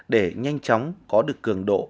để nhanh chóng có được cường độ